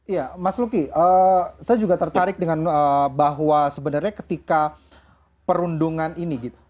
iya mas luki saya juga tertarik dengan bahwa sebenarnya ketika perundungan ini gitu